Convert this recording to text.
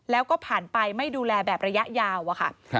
แล้วก็ผ่านไปไม่ดูแลแบบระยะยาวอะค่ะ